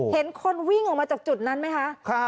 เห็นคนวิ่งออกมาจากจุดนั้นไหมคะ